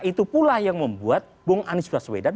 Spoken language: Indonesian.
itu pula yang membuat bung anies baswedan